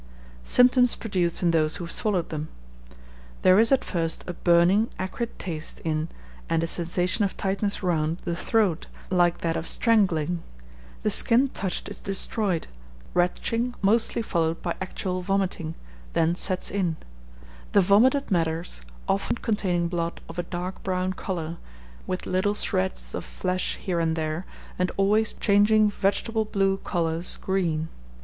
Symptoms produced in those who have swallowed them. There is at first a burning, acrid taste in, and a sensation of tightness round, the throat, like that of strangling; the skin touched is destroyed; retching mostly followed by actual vomiting, then sets in; the vomited matters often containing blood of a dark brown colour, with little shreds of flesh here and there, and always changing vegetable blue colours green.